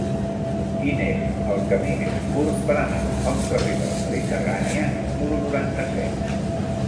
Quin és el camí més curt per anar al carrer de la Mediterrània número noranta-set?